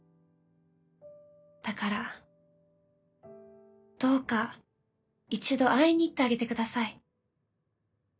だからどうか一度会いに行ってあげてください」。